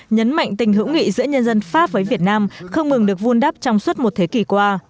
nhấn mạnh tình hữu nghị giữa nhân dân pháp với việt nam không ngừng được vun đắp trong suốt một thế kỷ qua